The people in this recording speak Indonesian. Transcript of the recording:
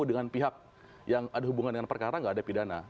dengan pihak yang ada hubungan dengan perkarangan